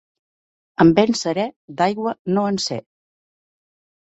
Amb vent serè, d'aigua no en sé.